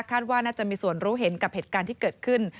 ว่าน่าจะมีส่วนรู้เห็นกับเหตุการณ์ที่เกิดขึ้น